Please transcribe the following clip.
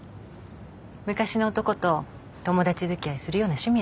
昔の男と友達付き合いするような趣味はないけど。